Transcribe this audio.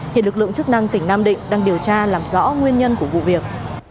hiện lực lượng chức năng tỉnh nam định đang điều tra làm rõ nguyên nhân của vụ việc